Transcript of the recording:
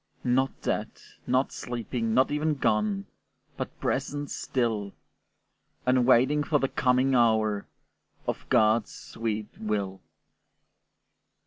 Not dead, not sleeping, not even gone, But present still, And waiting for the coming hour Of God's sweet will.